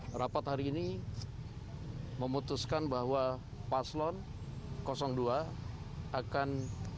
tom pati posisi mengajukan kalimat paslon ce yang menyatakan